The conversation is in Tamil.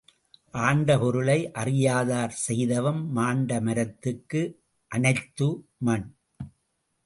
ஆண்ட பொருளை அறியாதார் செய் தவம் மாண்ட மரத்துக்கு அணைத்த மண்.